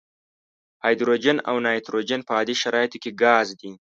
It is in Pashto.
هایدروجن او نایتروجن په عادي شرایطو کې ګاز دي.